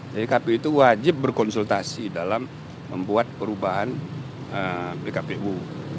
jadi kpu itu wajib berkonsultasi dalam membuat perubahan kpu